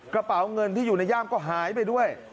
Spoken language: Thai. กระเป๋าเงินที่อยู่ในย่ามก็หายไปด้วย